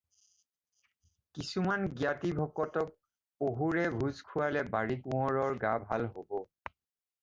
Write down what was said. কিছুমান জ্ঞাতি ভকতক পহুৰে ভোজ এটা খুৱালে বাঁৰী-কোঁৱৰৰ গা ভাল হ'ব।